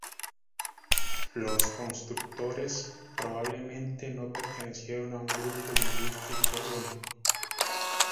Los constructores probablemente no pertenecieron a un grupo lingüístico único.